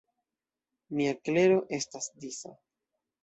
Mia klero estas disa.